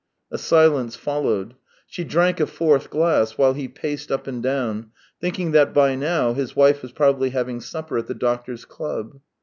A silence followed. She drank a fourth glass, while he paced up and down, thinking that by now his wife was probably having supper at the doctors' club.